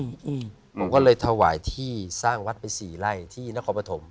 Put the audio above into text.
อืมผมก็เลยถวายที่สร้างวัดไปสี่ไร่ที่นครปฐม